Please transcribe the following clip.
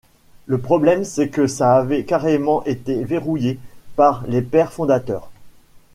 Le problème c’est que ça avait carrément été verrouillé par les Pères Fondateurs.